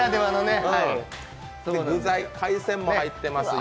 具材、海鮮も入ってます。